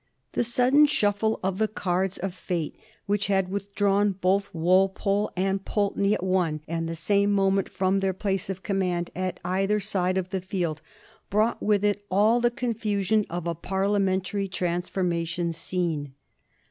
The sudden shuffle of the cards of fate which had withdrawn both Walpole and Pulteney at one and the same moment from their place of command at either side of the field, brought with it all the confusion of a Parliamentary transformation scene.